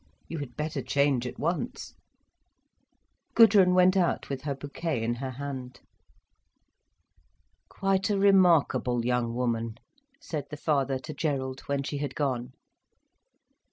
You had better change at once—" Gudrun went out with her bouquet in her hand. "Quite a remarkable young woman," said the father to Gerald, when she had gone.